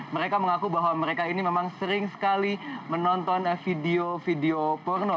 mereka mengaku bahwa mereka ini memang sering sekali menonton video video porno